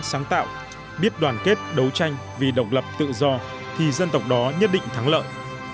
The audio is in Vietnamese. sáng tạo biết đoàn kết đấu tranh vì độc lập tự do thì dân tộc đó nhất định thắng lợi